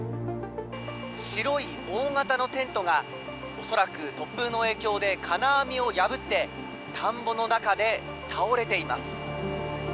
白い大型のテントが恐らく突風の影響で金網を破って、田んぼの中で倒れています。